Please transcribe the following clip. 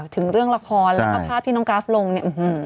ถึงเรื่องละครและภาพที่น้องกรัฟลงนี่อื้อฮือ